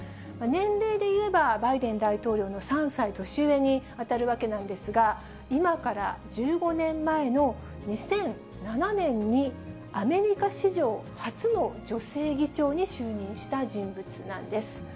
年齢でいえばバイデン大統領の３歳年上に当たるわけなんですが、今から１５年前の２００７年にアメリカ史上初の女性議長に就任した人物なんです。